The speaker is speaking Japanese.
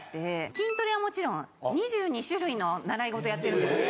筋トレはもちろん２２種類の習い事をやってるんですけど。